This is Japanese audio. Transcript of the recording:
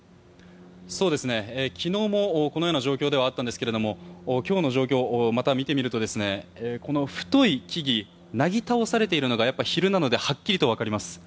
昨日もこのような状況ではあったんですが今日の状況をまた見てみるとこの太い木々なぎ倒されているのが昼なのではっきりとわかります。